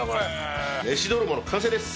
メシ泥棒の完成です。